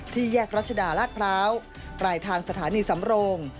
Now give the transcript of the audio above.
แยกรัชดาลาดพร้าวปลายทางสถานีสำโรง